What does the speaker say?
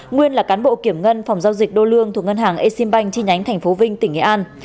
nguyên là cán bộ kiểm ngân phòng giao dịch đô lương thuộc ngân hàng exim bank chi nhánh tp vinh tỉnh nghệ an